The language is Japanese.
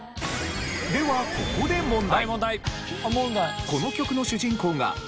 ではここで問題。